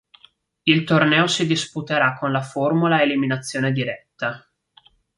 Il torneo si disputerà con la formula a eliminazione diretta.